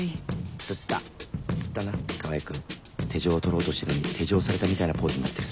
つったつったな川合君手錠を取ろうとしてるのに手錠されたみたいなポーズになってる